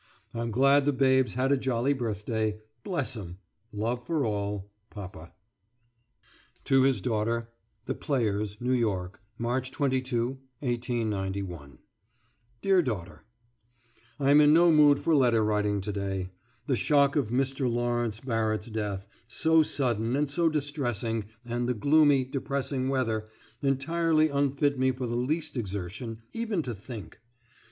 I'm glad the babes had a jolly birthday. Bless 'em! Love for all. PAPA. TO HIS DAUGHTER THE PLAYERS, NEW YORK, March 22, 1891. DEAR DAUGHTER: I'm in no mood for letter writing to day. The shock (of Mr. Lawrence Barrett's death) so sudden and so distressing, and the gloomy, depressing weather, entirely unfit me for the least exertion even to think.